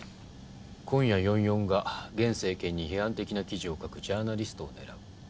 「今夜４４が現政権に批判的な記事を書くジャーナリストを狙う」。